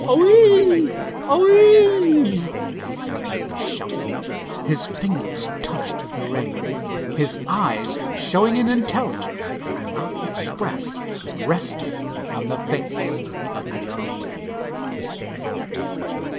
"Oi e! oi e!" he suddenly shouted. His fingers touched the ring. His eyes, showing an intelligence he could not express, rested on the face of the young aviator.